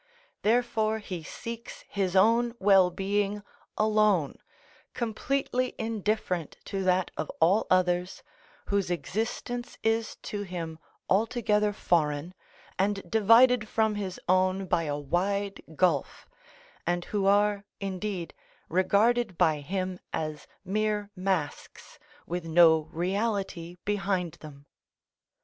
Therefore he seeks his own well being alone, completely indifferent to that of all others, whose existence is to him altogether foreign and divided from his own by a wide gulf, and who are indeed regarded by him as mere masks with no reality behind them.